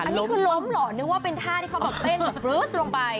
อันนี้คือล้มเหรอนึกว่าเป็นท่าที่เขาแบบเต้นแบบบลื๊ดลงไป